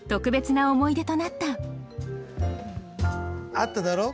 あっただろう？